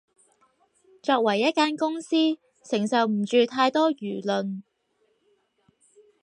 作為一間公司，承受唔住太多輿論